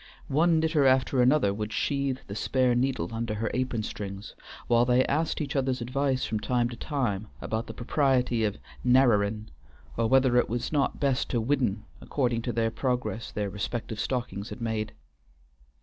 One knitter after another would sheathe the spare needle under her apron strings, while they asked each other's advice from time to time about the propriety of "narrerin'" or whether it were not best to "widden" according to the progress their respective stockings had made.